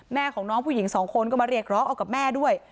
แม่ของน้องผู้หญิงสองคนก็มาเรียกร้องเอากับแม่ด้วย